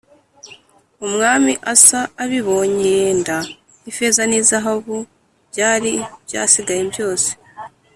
Umwami Asa abibonye yenda ifeza n’izahabu byari byasigaye byose